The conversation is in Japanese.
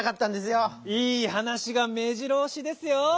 いいはなしがめじろおしですよ！